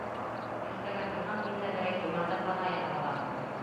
Иртәгә торһам, мин дә берәй түмәрҙән бала яһап алам.